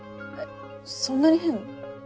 そんなに変？